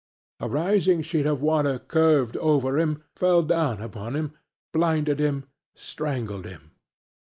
A rising sheet of water curved over him, fell down upon him, blinded him, strangled him!